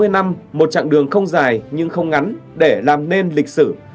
sáu mươi năm một chặng đường không dài nhưng không ngắn để làm nên lịch sử